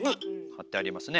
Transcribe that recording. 張ってありますね。